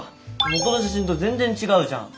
元の写真と全然違うじゃん。